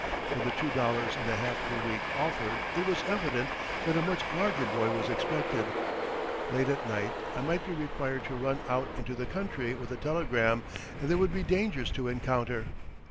For the two dollars and a half per week offered it was evident that a much larger boy was expected. Late at night I might be required to run out into the country with a telegram, and there would be dangers to encounter.